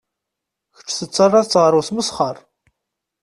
Kečč tettaraḍ-tt ɣer usmesxer.